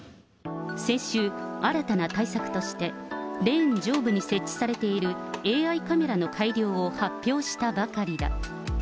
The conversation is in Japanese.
先週、新たな対策として、レーン上部に設置されているＡＩカメラの改良を発表したばかりだ。